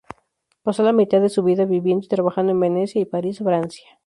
Pasó la mitad de su vida viviendo y trabajando en Venecia y París, Francia.